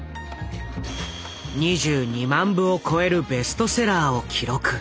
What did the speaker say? ２２万部を超えるベストセラーを記録。